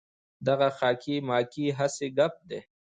دغه خاکې ماکې هسې ګپ دی.